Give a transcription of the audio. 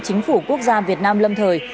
chính phủ quốc gia việt nam lâm thời